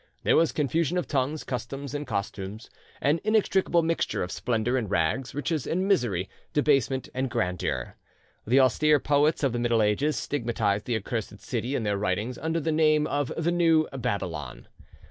There was confusion of tongues, customs, and costumes, an inextricable mixture of splendour and rags, riches and misery, debasement and grandeur. The austere poets of the Middle Ages stigmatised the accursed city in their writings under the name of the New Babylon.